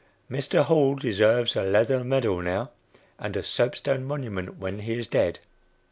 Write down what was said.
Mr. Hall deserves a leather medal now, and a soapstone monument when he is dead.